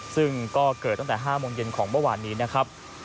ซึ่งก็เกิดตั้งแต่๕โมงเย็นของเมื่อวานนี้นะครับ